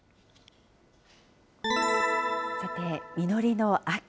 さて、実りの秋。